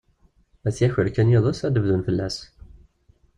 Ad t-yaker kan yiḍes, ad d-bdun fell-as.